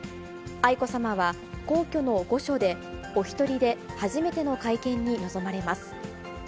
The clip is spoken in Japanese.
愛子さまは皇居の御所で、お１人で、初めての会見に臨まれます。